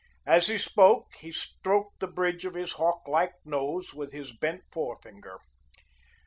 As he spoke, he stroked the bridge of his hawklike nose with his bent forefinger.